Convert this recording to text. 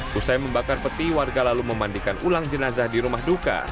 pusai membakar peti warga lalu memandikan ulang jenazah di rumah duka